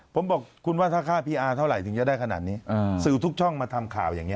ผมบอกคุณว่าถ้าฆ่าพี่อาเท่าไหร่ถึงจะได้ขนาดนี้สื่อทุกช่องมาทำข่าวอย่างนี้